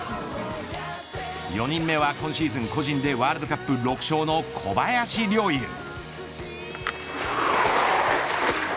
４人目は今シーズン個人でワールドカップ６勝の小林陵侑。